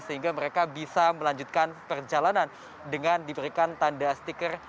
sehingga mereka bisa melanjutkan perjalanan dengan diberikan tanda stiker